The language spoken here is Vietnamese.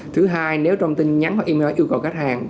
thứ hai nếu trong tin nhắn hoặc email yêu cầu khách hàng